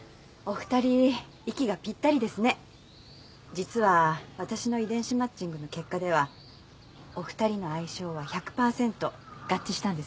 実は私の遺伝子マッチングの結果ではお二人の相性は１００パーセント合致したんです。